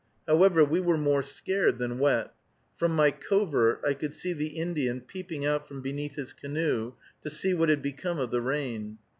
However, we were more scared than wet. From my covert I could see the Indian peeping out from beneath his canoe to see what had become of the rain.